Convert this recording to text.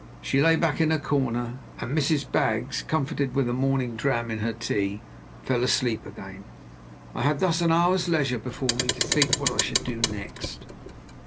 She lay back in her corner; and Mrs. Baggs, comforted with a morning dram in her tea, fell asleep again. I had thus an hour's leisure before me to think what I should do next.